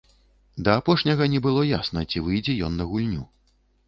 Да апошняга не было ясна, ці выйдзе ён на гульню.